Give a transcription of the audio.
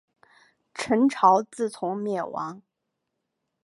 陈朝自从灭亡。